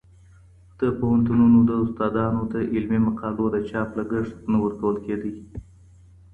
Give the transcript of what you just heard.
د پوهنتونونو د استادانو د علمي مقالو د چاپ لګښت نه ورکول کيده.